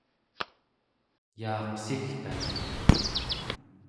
yaaqsigtaciq